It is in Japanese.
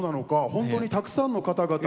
本当にたくさんの方々がね。